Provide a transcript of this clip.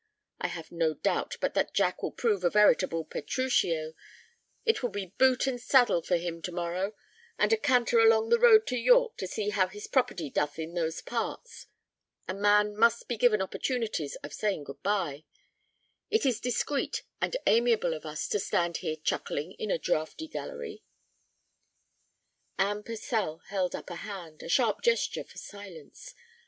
I have no doubt but that Jack will prove a veritable Petruchio. It will be boot and saddle for him to morrow, and a canter along the road to York to see how his property doth in those parts. A man must be given opportunities of saying good bye. It is discreet and amiable of us to stand here chuckling in a draughty gallery." Anne Purcell held up a hand, a sharp gesture for silence.